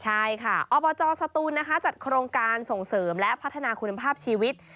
ใช่ค่ะอบจสตูนนะคะจัดโครงการส่งเสริมและพัฒนาคุณภาพชีวิต